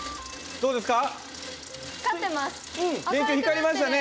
どうですか？